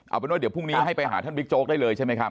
เอาเป็นว่าเดี๋ยวพรุ่งนี้ให้ไปหาท่านบิ๊กโจ๊กได้เลยใช่ไหมครับ